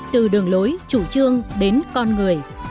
từ đường lối chủ trương đến con người